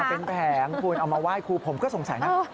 มาเป็นแผงครูเลยเอามาไว้ครูผมสงสัยน่ะ